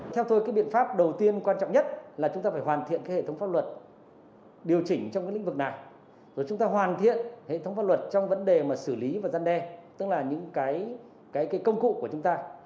theo tôi cái biện pháp đầu tiên quan trọng nhất là chúng ta phải hoàn thiện cái hệ thống pháp luật điều chỉnh trong cái lĩnh vực này rồi chúng ta hoàn thiện hệ thống pháp luật trong vấn đề mà xử lý và gian đe tức là những cái công cụ của chúng ta